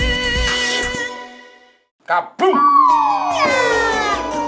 ya jatuh umi